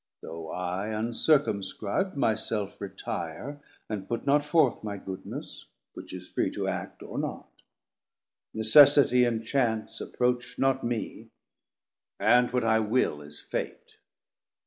Though I uncircumscrib'd my self retire, 170 And put not forth my goodness, which is free To act or not, Necessitie and Chance Approach not mee, and what I will is Fate.